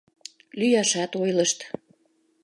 Лӱяшат ойлышт.